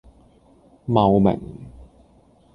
茂名